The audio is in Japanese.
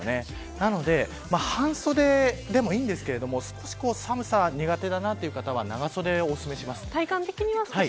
なので半袖でもいいのですが少し寒さが苦手という方は長袖をおすすめします。